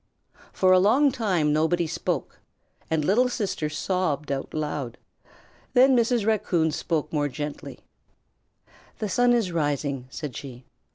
For a long time nobody spoke, and Little Sister sobbed out loud. Then Mrs. Raccoon spoke more gently: "The sun is rising," said she.